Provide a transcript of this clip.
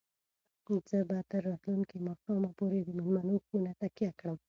زه به تر راتلونکي ماښامه پورې د مېلمنو خونه تکیه کړم.